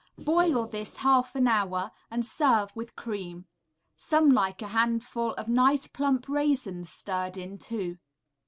Boil this half an hour, and serve with cream. Some like a handful of nice plump raisins stirred in, too.